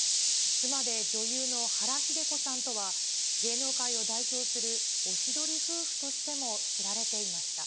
妻で女優の原日出子さんとは、芸能界を代表するおしどり夫婦としても知られていました。